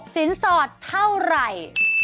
สินสอดเท่าไหร่